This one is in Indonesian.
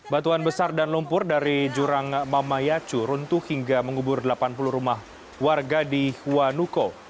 batuan besar dan lumpur dari jurang mamayacu runtuh hingga mengubur delapan puluh rumah warga di huanuko